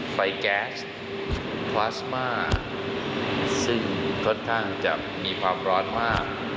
แก๊สพลาสมาซึ่งค่อนข้างจะมีความร้อนมาก